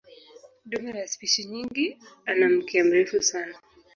Dume la spishi nyingi ana mkia mrefu sana.